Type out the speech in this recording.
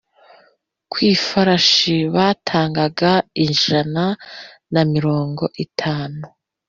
ku ifarashi batangaga ijana na mirongo itanu